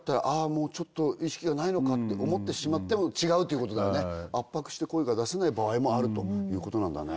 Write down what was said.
もうちょっと意識がないのかって思ってしまっても違うということだよね圧迫して声が出せない場合もあるということなんだね